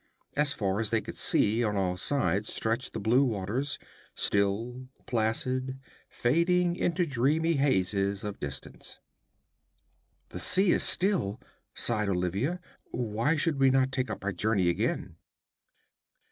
As far as they could see, on all sides stretched the blue waters, still, placid, fading into dreamy hazes of distance. 'The sea is still,' sighed Olivia. 'Why should we not take up our journey again?'